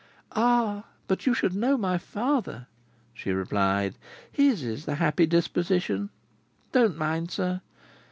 "Ah! But you should know my father," she replied. "His is the happy disposition!—Don't mind, sir!"